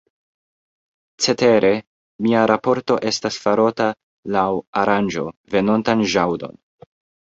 Cetere, mia raporto estas farota laŭ aranĝo venontan ĵaŭdon.